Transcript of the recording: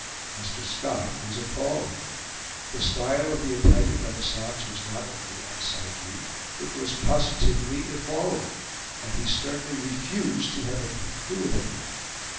Mr. Scott was appalled; the style of the Italian renaissance was not only unsightly, it was positively immoral, and he sternly refused to have anything to do with it.